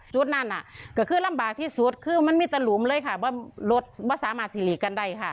จุดนั้นก็คือลำบากที่สุดคือมันมีตะหลุมเลยค่ะว่ารถไม่สามารถสิริกันได้ค่ะ